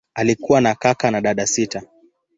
Alikuwa na kaka na dada sita.